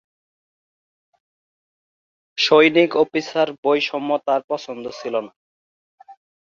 সৈনিক-অফিসার বৈষম্য তার পছন্দ ছিলনা।